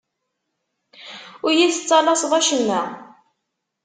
Ur yi-tettalaseḍ acemma.